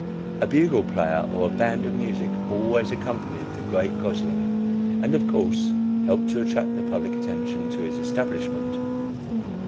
A bugle player or a band of music always accompanied the great Gosling, and, of course, helped to attract the public attention to his establishment.